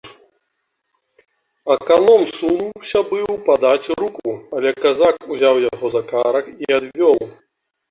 Аканом сунуўся быў падаць руку, але казак узяў яго за карак і адвёў.